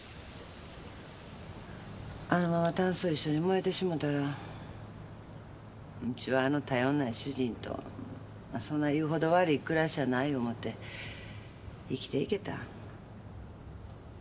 あのままタンスと一緒に燃えてしもたらウチはあの頼んない主人とそんな言うほど悪い暮らしやない思うて生きていけた。